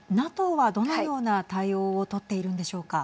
ＮＡＴＯは、どのような対応を取っているんでしょうか。